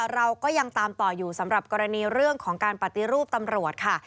เราก็ยังตามต่ออยู่สำหรับกรณีเรื่องของการปฏิรูปตำรวจค่ะ